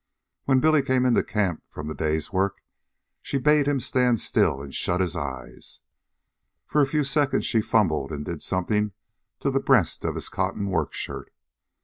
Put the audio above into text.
When Billy came into camp from the day's work, she bade him stand still and shut his eyes. For a few seconds she fumbled and did something to the breast of his cotton work shirt.